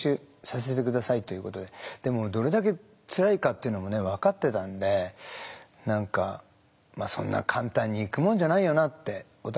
でもどれだけつらいかっていうのもね分かってたんで何かそんな簡単にいくもんじゃないよなってお互いに思って。